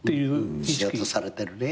必要とされてるね。